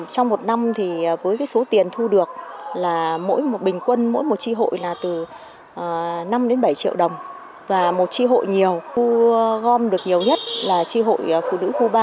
trong một năm thì với số tiền thu được là mỗi một bình quân mỗi một tri hội là từ năm đến bảy triệu đồng và một tri hội nhiều thu gom được nhiều nhất là tri hội phụ nữ khu ba